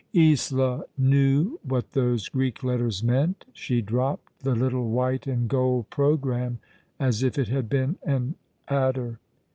Isola knew what those Greek letters meant. She dro^Dped the little white and gold programme as if it had been an adder.